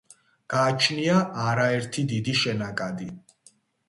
გააჩნია არაერთი დიდი შენაკადი.